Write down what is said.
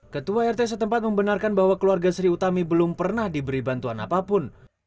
ketua rt setempat membenarkan bahwa keluarga sri utami belum pernah diberi bantuan apapun